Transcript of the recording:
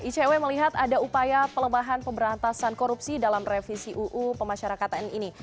icw melihat ada upaya pelemahan pemberantasan korupsi dalam revisi uu pemasyarakatan ini